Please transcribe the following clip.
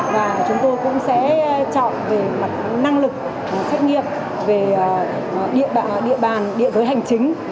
và chúng tôi cũng sẽ chọn về mặt năng lực xét nghiệm về địa bàn địa giới hành chính